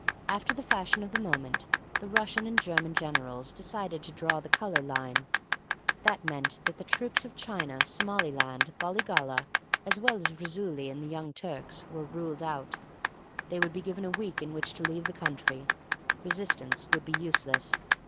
After the fashion of the moment, the Russian and German generals decided to draw the Colour Line. That meant that the troops of China, Somaliland, Bollygolla, as well as Raisuli and the Young Turks, were ruled out. They would be given a week in which to leave the country. Resistance would be useless.